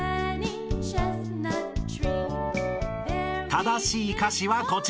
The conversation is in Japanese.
［正しい歌詞はこちら］